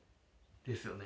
ですよね。